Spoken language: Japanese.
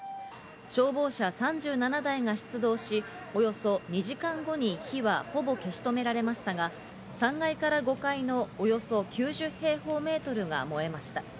消防車３７台が出動し、およそ２時間後に火はほぼ消し止められましたが、３階から５階のおよそ９０平方メートルが燃えました。